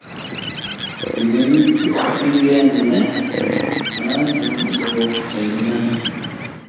بۈگۈن كۈنگە نېمە ئەسلىدە، ئانا سېنىڭ ئۇلۇغ بايرىمىڭ.